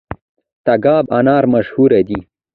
تګاب انار مشهور دي؟